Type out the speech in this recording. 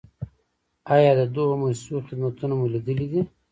آیا د دغو مؤسسو خدمتونه مو لیدلي دي؟